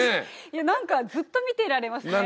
いやなんかずっと見ていられますね